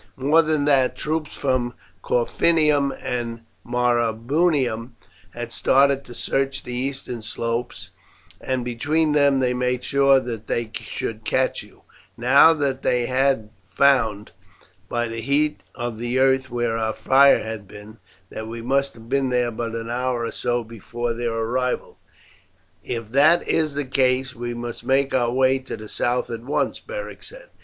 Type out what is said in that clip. More than that, troops from Corfinium and Marrubium had started to search the eastern slopes, and between them they made sure that they should catch you, now that they had found, by the heat of the earth where our fire had been, that we must have been there but an hour or so before their arrival." "If that is the case we must make our way to the south at once," Beric said.